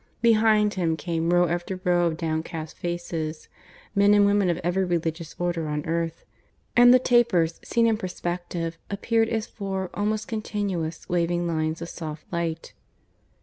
Behind him came row after row of downcast faces, men and women of every Religious Order on earth, and the tapers seen in perspective appeared as four almost continuous waving lines of soft light.